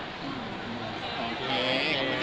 โอเคขอบบุจจะ